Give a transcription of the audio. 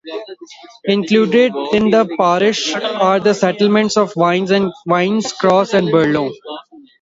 Included in the parish are the settlements of Vines Cross and Burlow.